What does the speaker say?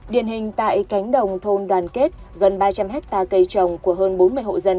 điển hình tại cánh đồng thôn đoàn kết gần ba trăm linh hectare cây trồng của hơn bốn mươi hộ dân